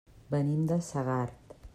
Venim de Segart.